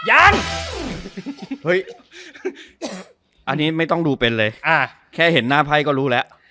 ยังเฮ้ยอันนี้ไม่ต้องดูเป็นเลยแค่เห็นหน้าไพ่ก็รู้แล้ว